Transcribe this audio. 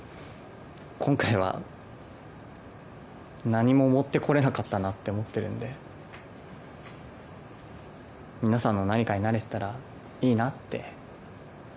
今回は何ももってこれなかったなって思ってるので皆さんの何かになれてたらいいなって。